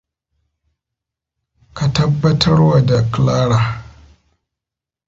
Ka tabbatarwa da Clara.